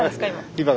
今。